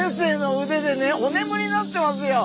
おねむりになってますよ。